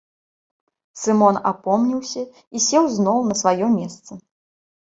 Сымон апомніўся і сеў зноў на сваё месца.